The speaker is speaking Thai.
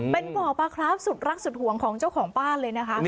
เป็นบ่อปลาคราฟสุดรักสุดห่วงของเจ้าของบ้านเลยนะคะ